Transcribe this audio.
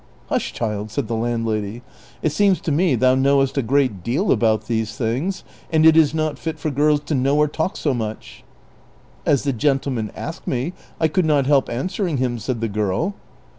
''Hush, child," said the landlady; ''it seems, to me thou knowest a great deal about these things, and it is not fit for girls to know or talk so much." " As the gentleman asked me, I could not help answering him," said the girl.